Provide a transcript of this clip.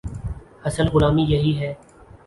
اصل غلامی یہی ہے۔